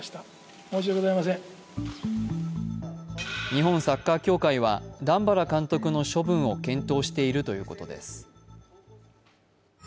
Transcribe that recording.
日本サッカー協会は段原監督の処分を検討しているということです。